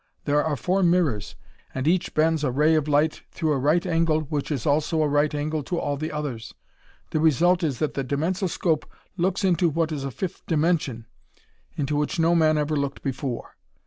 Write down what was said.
There are four mirrors, and each bends a ray of light through a right angle which is also a right angle to all the others. The result is that the dimensoscope looks into what is a fifth dimension, into which no man ever looked before.